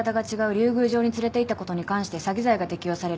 宮城に連れていったことに関して詐欺罪が適用される。